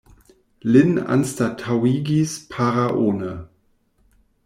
Lin anstataŭigis Para One.